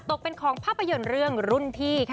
ตกเป็นของภาพยนตร์เรื่องรุ่นพี่ค่ะ